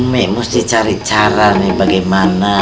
hai umik musti cari cara nih bagaimana